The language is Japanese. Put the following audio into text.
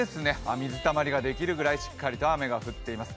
水たまりができるぐらいしっかりと雨が降っています。